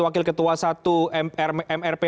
wakil ketua satu mrp